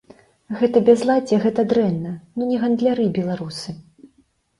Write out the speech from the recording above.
Гэта бязладдзе, гэта дрэнна, ну не гандляры беларусы!